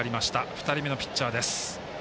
２人目のピッチャーです。